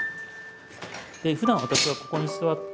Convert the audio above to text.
ふだん私はここに座って。